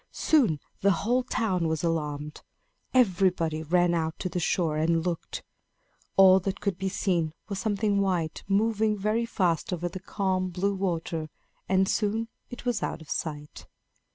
Soon the whole town was alarmed. Everybody ran out to the shore and looked. All that could be seen was something white moving very fast over the calm, blue water; and soon it was out of sight.